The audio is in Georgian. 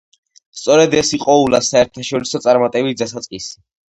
სწორედ ეს იყო ულას საერთაშორისო წარმატების დასაწყისი.